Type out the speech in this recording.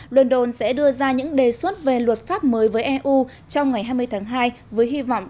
london sẽ đưa ra những đề xuất về luật pháp mới với eu trong ngày hai mươi tháng hai với hy vọng